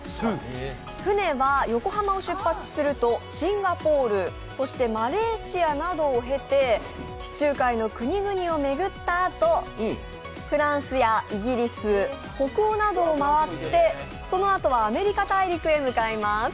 船は横浜を出発するとシンガポールマレーシアなどを経て地中海の国々を巡ったあと、フランスやイギリス、北欧などを回って、そのあとはアメリカ大陸へ向かいます。